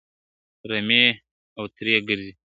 رمې اوتري ګرځي `